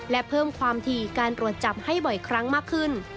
และเพิ่มความถี่การตรวจจับให้บ่อยครั้งมากขึ้น